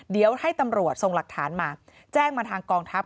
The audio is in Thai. เดี๋ยวให้ตำรวจส่งหลักฐานมาแจ้งมาทางกองทัพ